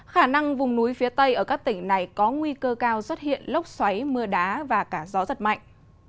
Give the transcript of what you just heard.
khả năng vùng núi phía tây ở các tỉnh này có nguy cơ cao xuất hiện lốc xoáy mưa đá và cả gió giật mạnh